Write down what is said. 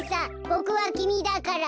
ボクはきみだから。